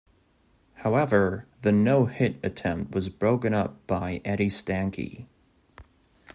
However, the no-hit attempt was broken up by Eddie Stanky.